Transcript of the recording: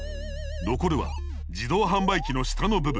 残るは自動販売機の下の部分。